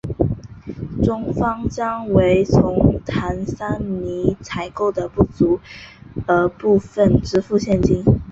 中方将为从坦桑尼亚采购的不足额部分支付现金。